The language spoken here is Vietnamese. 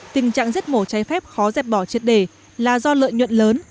tình trạng giết mổ cháy phép khó dẹp bỏ triệt đề là do lợi nhuận lớn